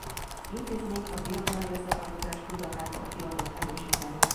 Az intézmény a birodalmi összetartozás tudatát volt hivatott erősíteni.